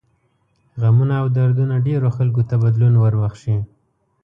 غمونه او دردونه ډېرو خلکو ته بدلون وربښي.